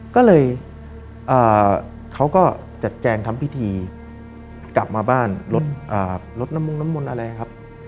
ก็เลยเขาก็จัดแจงทำพิธีกลับมาบ้านรถน้ำมงน้ำมนต์อะไรครับ